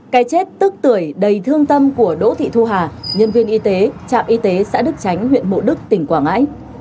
cái chết tức tuổi đầy thương tâm của đỗ thị thu hà nhân viên y tế trạm y tế xã đức tránh huyện mộ đức tỉnh quảng ngãi